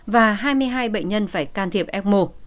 và hai mươi hai bệnh nhân phải can thiệp f một